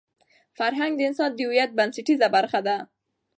فرهنګ د انسان د هویت بنسټیزه برخه ده.